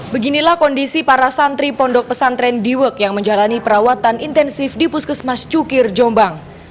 beginilah kondisi para santri pondok pesantren diwek yang menjalani perawatan intensif di puskesmas cukir jombang